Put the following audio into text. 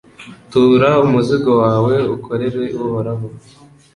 Tura umuzigo wawe uwukorere Uhoraho